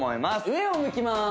上を向きます